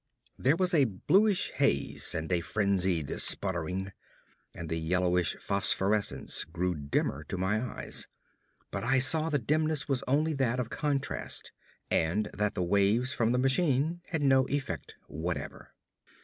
There was a bluish haze and a frenzied sputtering, and the yellowish phosphorescence grew dimmer to my eyes. But I saw the dimness was only that of contrast, and that the waves from the machine had no effect whatever.